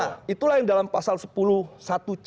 nah itulah yang dalam pasal sepuluh satu c